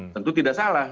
tentu tidak salah